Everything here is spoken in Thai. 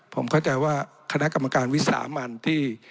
ผมเข้าใจว่าคณะกรรมการวิสามันที่